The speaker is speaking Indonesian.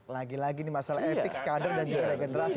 lagi lagi ini masalah etik sekadar dan juga regenerasi